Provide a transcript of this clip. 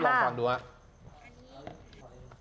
ลองฟังดู